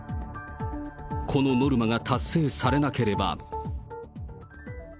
このノルマが達成されなければ。